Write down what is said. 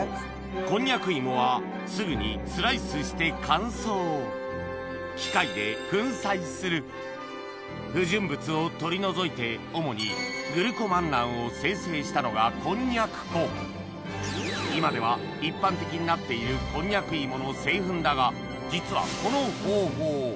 こんにゃく芋はすぐにスライスして乾燥機械で粉砕する不純物を取り除いて主にグルコマンナンを精製したのが今では一般的になっているこんにゃく芋の製粉だが実はこの方法